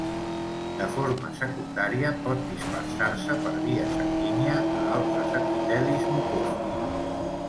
De forma secundària pot dispersar-se per via sanguínia a altres epitelis mucosos.